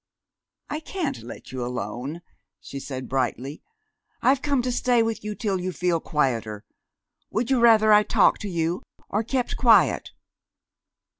"I can't let you alone," she said brightly. "I've come to stay with you till you feel quieter.... Would you rather I talked to you, or kept quiet?"